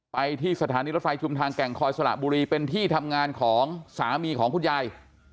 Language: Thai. ไปที่สถานีรถไฟชุมทางแก่งคอยสระบุรีเป็นที่ทำงานของสามีของคุณยาย